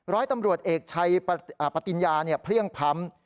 ร้อยตำรวจเอกชัยปติญญาเพลี่ยงพ้ำ